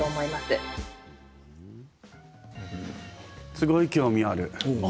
すごい興味ある。